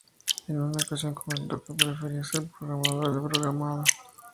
En una ocasión comentó que preferiría ser programador que programado.